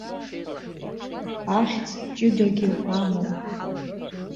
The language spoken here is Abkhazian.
Ахьӡ ҷыдагьы амоуп.